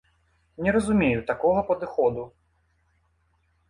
Не разумею такога падыходу.